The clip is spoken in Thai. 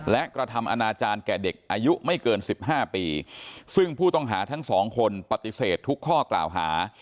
และกระทำอนาจารย์แก่เด็กอายุไม่เกินสิบห้าปีซึ่งผู้ต้องหาทั้งสองคนปฏิเสธทุกข้อกล่าวหา